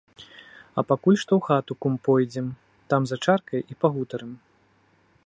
А пакуль што ў хату, кум, пойдзем, там за чаркай і пагутарым.